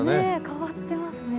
変わってますね。